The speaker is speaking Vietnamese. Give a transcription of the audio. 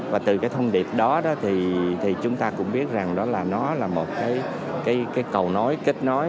và từ cái thông điệp đó thì chúng ta cũng biết rằng đó là nó là một cái cầu nối kết nối